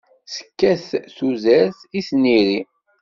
Tettak tudert i tniri.